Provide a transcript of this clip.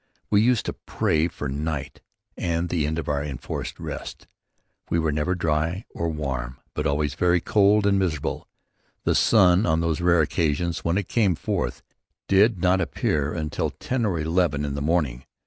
We used to pray for night and the end of our enforced rest. We were never dry or warm but were always very cold and miserable. The sun, on those rare occasions when it came forth, did not appear until ten or eleven in the morning.